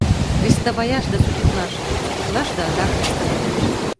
Рестоваяш да судитлаш, судитлаш да адак рестоваяш.